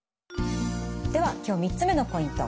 では今日３つ目のポイント。